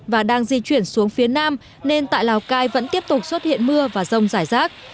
và đang di chuyển xuống phía nam nên tại lào cai vẫn tiếp tục xuất hiện mưa và rông rải rác